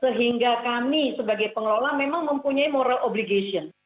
sehingga kami sebagai pengelola memang mempunyai moral obligation